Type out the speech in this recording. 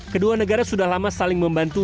kedua negara sudah lama saling membantu